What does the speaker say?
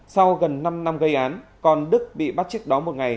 sau gần năm năm gây án còn đức bị bắt trước đó một ngày